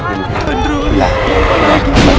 tunggu pak ustadz